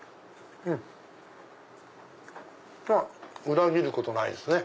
裏切ることないですね。